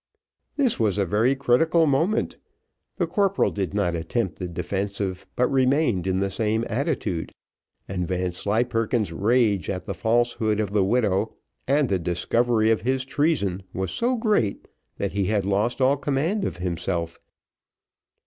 This was a very critical moment. The corporal did not attempt the defensive, but remained in the same attitude, and Vanslyperken's rage at the falsehood of the widow, and the discovery of his treason was so great, that he had lost all command of himself.